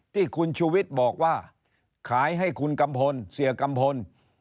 ที่คุณชูวิทย์บอกว่าขายให้คุณกัมพลเสียกัมพล